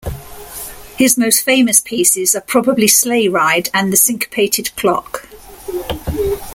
His most famous pieces are probably "Sleigh Ride" and "The Syncopated Clock.